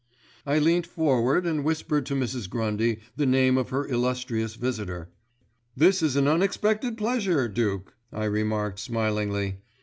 I leant forward and whispered to Mrs. Grundy the name of her illustrious visitor. "This is an unexpected pleasure, Duke," I remarked smilingly.